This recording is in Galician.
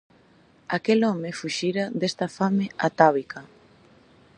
Aquel home fuxira desta fame atávica.